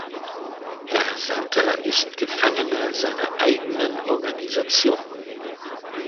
Herr Santer ist Gefangener seiner eigenen Organisation.